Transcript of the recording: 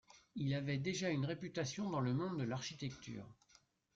Il avait déjà une réputation dans le monde de l'architecture.